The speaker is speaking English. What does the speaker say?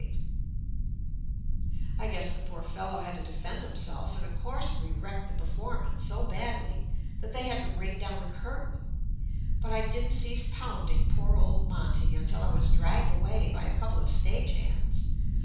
JUST ME I guess the poor fellow had to defend himself, and of course we wrecked the performance so badly that they had to ring down the curtain; but I didn't cease pounding poor old Monte until I was dragged away by a couple of stage hands.